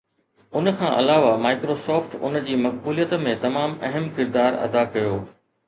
ان کان علاوه Microsoft ان جي مقبوليت ۾ تمام اهم ڪردار ادا ڪيو